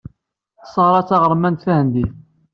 Sarah d taɣermant tahendit.